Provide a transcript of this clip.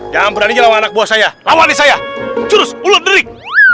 jangan berani lawan anak buah saya awal saya terus ulu ulik